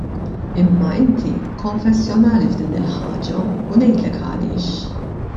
Imma inti konfessjonali f'din il-ħaġa u ngħidlek għaliex.